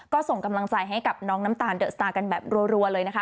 ก็ส่งกำลังใจให้กับน้องน้ำตาลเดอะสตาร์กันแบบรัวเลยนะคะ